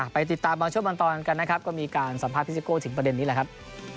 ไปติดตามบางช่วงบางตอนกันนะครับก็มีการสัมภาษณ์พี่ซิโก้ถึงประเด็นนี้แหละครับ